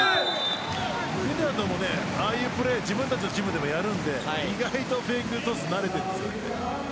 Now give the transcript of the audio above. フィンランドもああいうプレー自分たちでやるので意外とフェイクセットに慣れているんです。